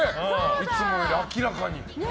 いつもより、明らかに。